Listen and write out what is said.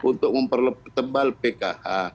untuk mempertebal pkh